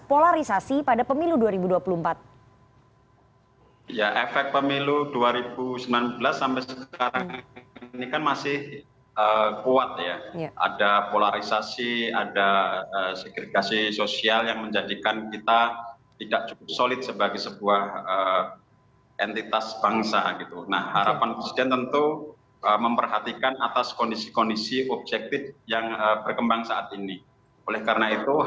polarisasi pada pemilu dua ribu dua puluh empat